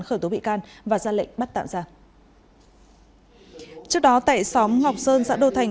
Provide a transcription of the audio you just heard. khởi tố bị can và ra lệnh bắt tạm giả trước đó tại xóm ngọc sơn xã đô thành